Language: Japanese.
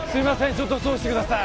ちょっと通してください。